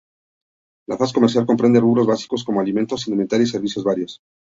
La faz comercial comprende rubros básicos como alimentos, indumentaria y servicios varios.